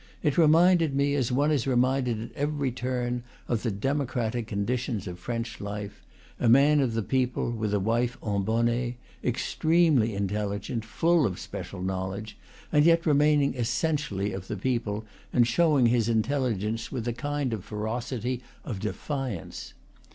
It reminded me, as one is reminded at every turn, of the democratic con ditions of French life: a man of the people, with a wife en bonnet, extremely intelligent, full of special knowledge, and yet remaining essentially of the people, and showing his intelligence with a kind of ferocity, of defiance.